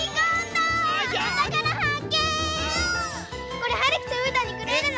これはるきとうーたんにくれるの？